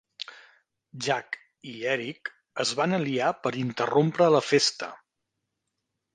Jack i Eric es van aliar per interrompre la festa.